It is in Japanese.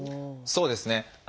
そうですね。